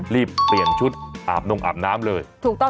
รีบเปลี่ยนชุดอาบนมอาบน้ำเลย